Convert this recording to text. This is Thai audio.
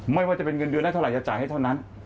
ไม่ว่าจะเป็นเงินเดือนได้เท่าไหรจะจ่ายให้เท่านั้น